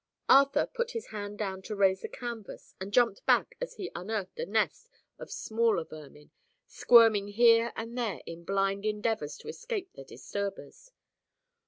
Arthur put his hand down to raise the canvas and jumped back as he unearthed a nest of smaller vermin, squirming here and there in blind endeavors to escape their disturbers.